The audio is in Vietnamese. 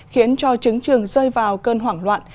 khiến cho trứng trường rơi vào cơn hoảng loạn